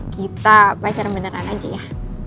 kita pacar beneran aja ya